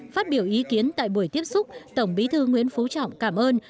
phát biểu ý kiến tại buổi tiếp xúc tổng bí thư nguyễn phú trọng cảm ơn